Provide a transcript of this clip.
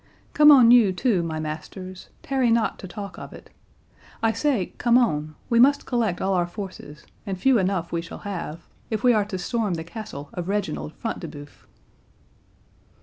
—Come on you, too, my masters, tarry not to talk of it—I say, come on, we must collect all our forces, and few enough we shall have, if we are to storm the Castle of Reginald Front de Bœuf."